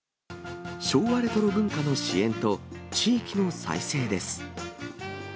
昭和レトロ文化の支援と地域の再生です。